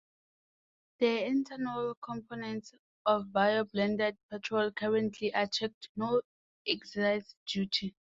The ethanol component of bio blended petrol currently attracts no excise duty.